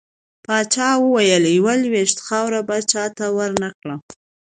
پاچا وويل: يوه لوېشت خاوړه به چاته ورنه کړه .